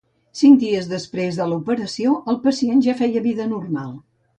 Cinc dies després de l'operació, el pacient ja feia vida normal.